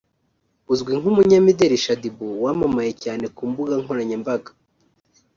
uzwi nk’ Umunyamideli Shaddy Boo wamamaye cyane ku mbuga nkoranyambaga